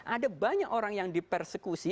ada banyak orang yang di persekusi